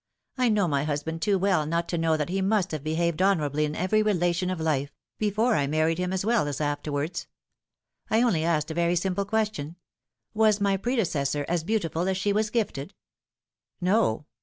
I know my husband too well not to know that he must have behaved honourably in every relation of life before I married him as well as afterwards. I only asked a very simple question : vras my predecessor as beautiful as she was gifted ?" "Iso.